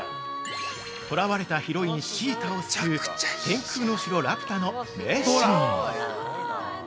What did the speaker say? ◆とらわれたヒロインシータを救う「天空の城ラピュタ」の名シーン。